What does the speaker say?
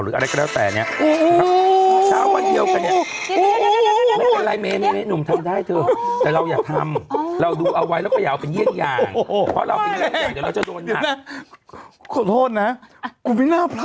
หรืออะไรก็แล้วแต่เนี่ยนะครับ